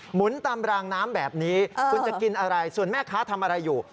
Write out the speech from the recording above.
หุนตามรางน้ำแบบนี้คุณจะกินอะไรส่วนแม่ค้าทำอะไรอยู่